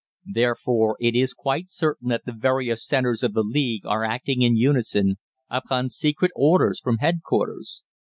Therefore, it is quite certain that the various centres of the League are acting in unison upon secret orders from headquarters.